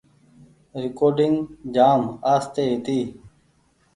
ريڪوڊنگ جآم آستي هيتي۔